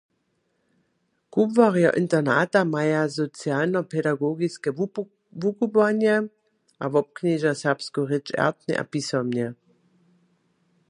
Kubłarjo internata maja socialnopedagogiske wukubłanje a wobknježa serbsku rěč ertnje a pisomnje.